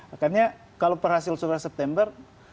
akhirnya kalau perhasil survei september